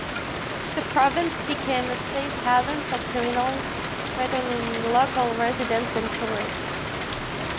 The province became a safe haven for criminals threatening local residents and tourists.